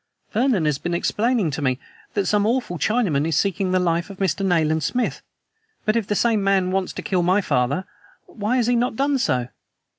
Vernon has been explaining to me that some awful Chinaman is seeking the life of Mr. Nayland Smith. But if the same man wants to kill my father, why has he not done so?"